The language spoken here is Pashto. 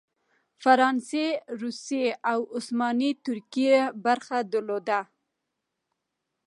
فرانسې، روسیې او عثماني ترکیې برخه درلوده.